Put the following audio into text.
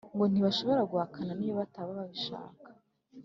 ngo ntibashobora guhakana n’iyo baba batabishaka.